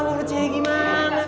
gimana mau percaya gimana